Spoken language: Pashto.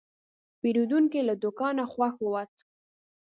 پیرودونکی له دوکانه خوښ ووت.